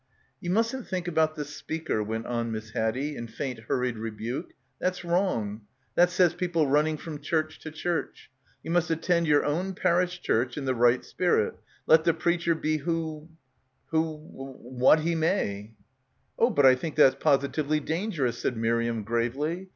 "Ye mustn't think about the speaker," went on Miss Haddie in faint hurried rebuke. "That's wrong. That sets people running from church to church. You must attend your own parish church in the right spirit, let the preacher be who — who — what he may." "Oh, but I think that's positively dangerous" said Miriam gravely.